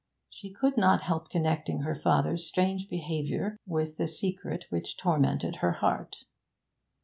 She could not help connecting her father's strange behaviour with the secret which tormented her heart.